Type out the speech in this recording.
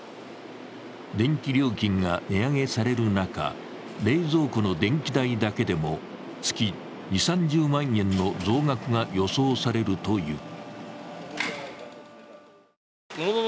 電気料金が値上げされる中、冷蔵庫の電気代だけでも月２０３０万円の増額が予想されるという。